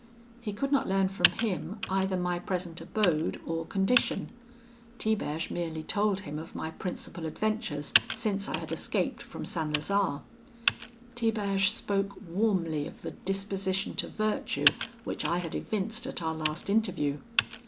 He could not learn from him either my present abode or condition: Tiberge merely told him of my principal adventures since I had escaped from St. Lazare. Tiberge spoke warmly of the disposition to virtue which I had evinced at our last interview.